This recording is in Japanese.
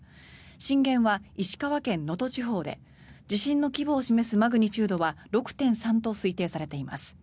震源は石川県・能登地方で地震の規模を示すマグニチュードは６．３と推定されています。